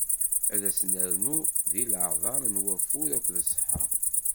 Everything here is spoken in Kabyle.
Ad as-ternu deg leɛḍam d wafud akked ṣṣeḥḥa.